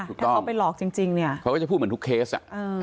ถ้าเขาไปหลอกจริงเนี่ยเขาก็จะพูดเหมือนทุกเคสอ่ะ